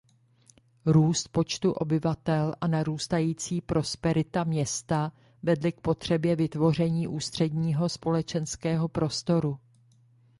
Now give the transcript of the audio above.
Růst počtu obyvatel a narůstající prosperita města vedly k potřebě vytvoření ústředního společenského prostoru.